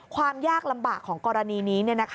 ความยากลำบากของกรณีนี้